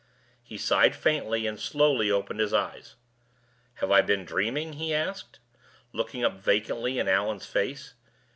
He sighed faintly, and slowly opened his eyes. "Have I been dreaming?" he asked, looking up vacantly in Allan's face.